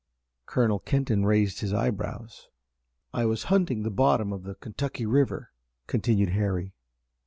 Colonel Kenton raised his eyebrows. "I was hunting the bottom of the Kentucky River," continued Harry.